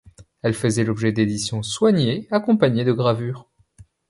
Elles faisaient l'objet d'éditions soignées, accompagnées de gravures.